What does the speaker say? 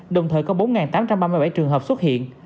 đồng thời có bốn tám trăm ba mươi bảy trường hợp xuất hiện